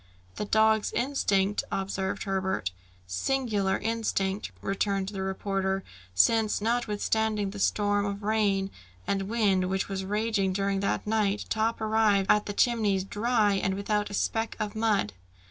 "The dog's instinct " observed Herbert. "Singular instinct!" returned the reporter; "since notwithstanding the storm of rain and wind which was raging during that night, Top arrived at the Chimneys, dry and without a speck of mud!"